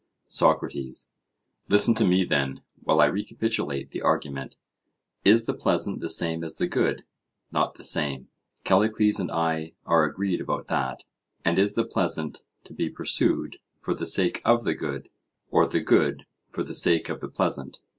SOCRATES: Listen to me, then, while I recapitulate the argument:—Is the pleasant the same as the good? Not the same. Callicles and I are agreed about that. And is the pleasant to be pursued for the sake of the good? or the good for the sake of the pleasant?